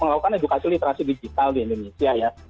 melakukan edukasi literasi digital di indonesia ya